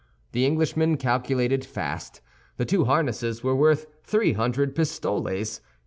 The Englishman calculated fast; the two harnesses were worth three hundred pistoles.